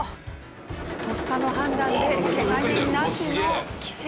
とっさの判断でケガ人なしの奇跡。